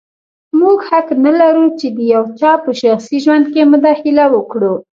موږ حق نه لرو چې د یو چا په شخصي ژوند کې مداخله وکړو.